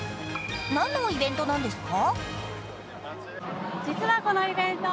何のイベントなんですか？